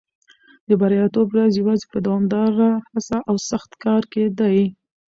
د بریالیتوب راز یوازې په دوامداره هڅه او سخت کار کې دی.